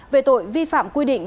về tội vi phạm quy định